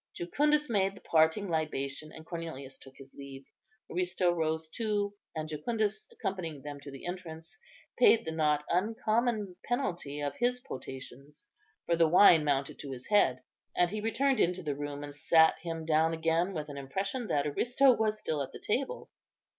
Jucundus made the parting libation, and Cornelius took his leave. Aristo rose too; and Jucundus, accompanying them to the entrance, paid the not uncommon penalty of his potations, for the wine mounted to his head, and he returned into the room, and sat him down again with an impression that Aristo was still at table.